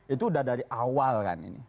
itu udah dari awal kan ini